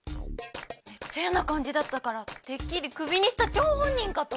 めっちゃ嫌な感じだったからてっきりクビにした張本人かと。